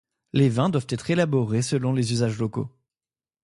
Les vins doivent être élaborés selon les usages locaux.